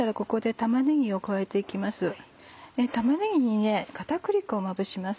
玉ねぎに片栗粉をまぶします。